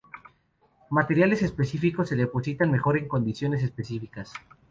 Materiales específicos se depositan mejor en condiciones específicas.